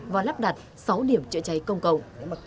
và lắp đặt sáu điểm chữa cháy công cộng